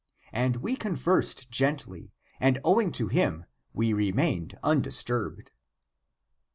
And we conversed gently, and owing to him we remained undisturbed.